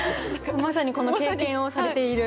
まさにこの経験をされている。